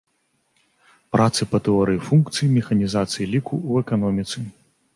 Працы па тэорыі функцый, механізацыі ліку ў эканоміцы.